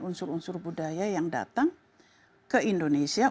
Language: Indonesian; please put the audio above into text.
unsur unsur budaya yang datang ke indonesia